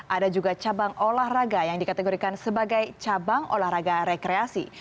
ada juga cabang olahraga yang dikategorikan sebagai cabang olahraga rekreasi